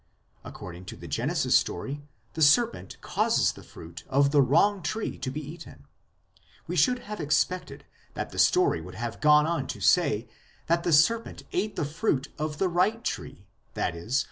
According to the Genesis story, the serpent causes the fruit of the wrong tree to be eaten ; we should have expected that the story would have gone on to say that the serpent ate the fruit of the right tree, i.e.